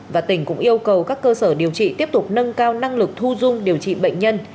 và tỉnh cũng yêu cầu các cơ sở điều trị tiếp tục nâng cao năng lực thu dung điều trị bệnh nhân